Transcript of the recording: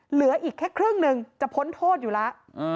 เหลืออีกแค่ครึ่งหนึ่งจะพ้นโทษอยู่แล้ว